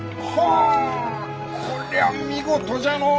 あこりゃあ見事じゃのう！